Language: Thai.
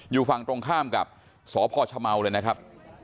อยู่ฝั่งตรงข้ามกับสพชเมาเลยนะครับ